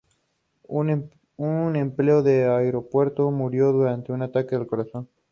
Un empleado del aeropuerto murió de un ataque al corazón.